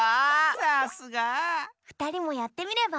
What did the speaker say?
さすが！ふたりもやってみれば？